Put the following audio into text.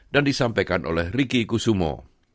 dan disampaikan oleh ricky kusumo